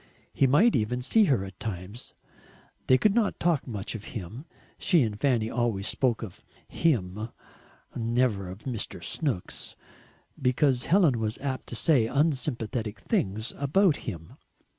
He might even see her at times. They could not talk much of him she and Fanny always spoke of "him," never of Mr. Snooks, because Helen was apt to say unsympathetic things about him.